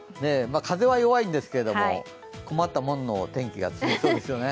風は弱いんですけど、困ったものの天気が続きそうですね。